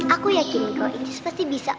aku yakin kalau ini pasti bisa